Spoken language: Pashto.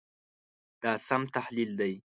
دا سم تحلیل دی.